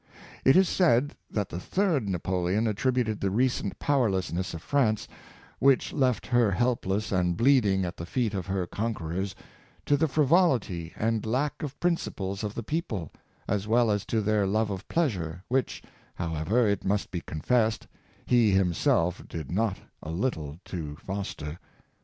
It is said that the Third Napoleon attributed the recent powerlessness of France, which left her helpless and bleeding at the* feet of her conquerors, to the frivolity and lack of prin ciple of the people, as well as to their love of pleasure,, which, however, it must be confessed, he himself did not a little to foster.